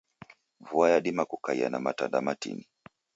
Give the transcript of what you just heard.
Vua yadima kukaia na matanda matini